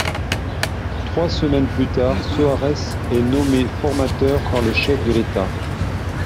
Trois semaines plus tard, Soares est nommé formateur par le chef de l'État.